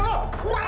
pak pak pak